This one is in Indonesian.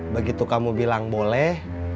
begitu kamu bilang boleh